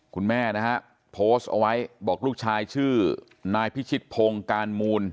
คุณแม่นะฮะโพสต์เอาไว้บอกลูกชายชื่อนายพิชิตพงศ์การมูล